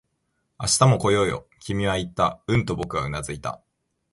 「明日も来ようよ」、君は言った。うんと僕はうなずいた